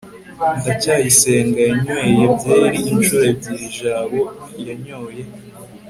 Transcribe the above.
ndacyayisenga yanyweye byeri inshuro ebyiri jabo yanyoye